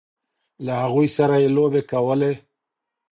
له هغوی سره یې لوبې کولې.